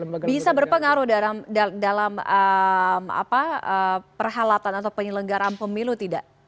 bisa berpengaruh dalam perhalatan atau penyelenggaran pemilu tidak